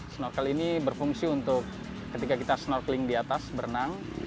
snorkel ini berfungsi untuk ketika kita snorkeling di atas berenang